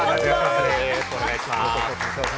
よろしくお願いします。